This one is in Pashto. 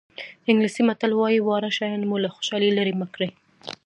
انګلیسي متل وایي واړه شیان مو له خوشحالۍ لرې مه کړي.